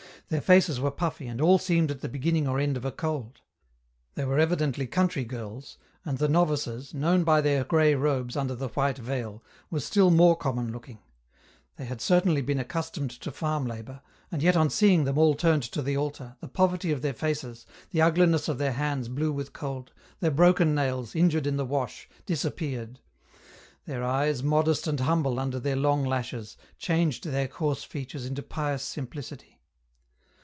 Their faces were puffy and all seemed at the beginning or end of a cold ; they were evidently country girls, and the novices, known by their grey robes under the white veil, were still more common looking ; they had certainly been accustomed to farm labour, and yet on seeing them all turned to the altar, the poverty of their faces, the ugliness of their hands blue with cold, their broken nails, injured in the wash, dis appeared ; their eyes, modest and humble under their long lashes, changed their coarse features into pious simplicity.